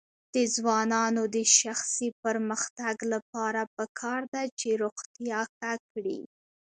د ځوانانو د شخصي پرمختګ لپاره پکار ده چې روغتیا ښه کړي.